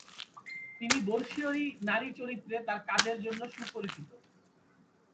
তিনি বর্ষিয়সী নারী চরিত্রে তার কাজের জন্য সুপরিচিত।